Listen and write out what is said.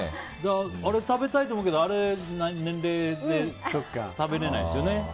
あれ食べたいと思うけど年齢で食べれないですよね。